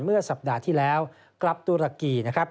เมื่อสัปดาห์ที่แล้วกลับตุรกีนะครับ